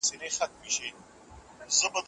هغې ته زما د واده کارت لا نه دی لېږل شوی.